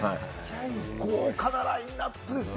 豪華なラインナップですよ。